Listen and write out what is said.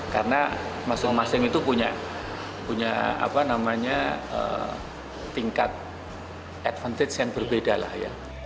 karena masing masing itu punya tingkat advantage yang berbeda lah ya